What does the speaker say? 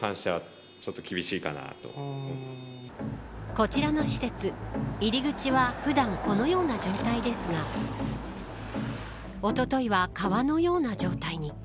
こちらの施設入り口は普段このような状態ですがおとといは川のような状態に。